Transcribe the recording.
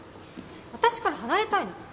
私から離れたいの？